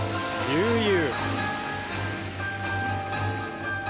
悠々。